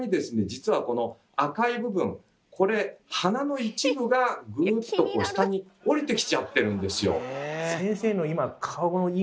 実はこの赤い部分これ鼻の一部がぐっと下におりてきちゃってるんですよ。